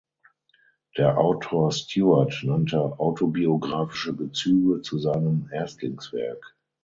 Der Autor Stuart nannte autobiographische Bezüge zu seinem Erstlingswerk.